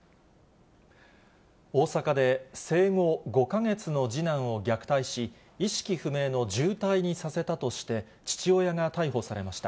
大阪で生後５か月の次男を虐待し、意識不明の重体に刺せたとして、父親が逮捕されました。